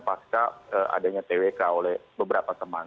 pasca adanya twk oleh beberapa teman